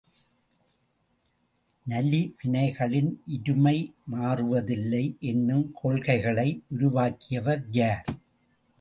நலிவினைகளின் இருமை மாறுவதில்லை என்னும் கொள்கைளை உருவாக்கியவர் யார்?